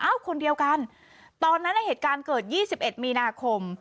อ้าวคนเดียวกันตอนนั้นในเหตุการณ์เกิดยี่สิบเอ็ดมีนาคม